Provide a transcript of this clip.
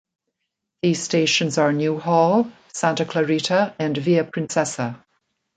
These stations are Newhall, Santa Clarita and Via Princessa.